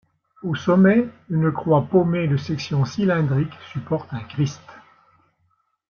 Au sommet, une croix pommée de section cylindrique supporte un Christ.